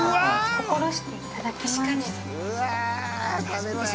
◆心していただきます。